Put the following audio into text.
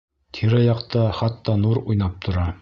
Тирә-яҡта хатта нур уйнап тора.